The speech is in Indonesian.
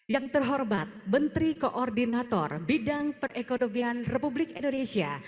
yang terhormat menteri koordinator bidang perekonomian republik indonesia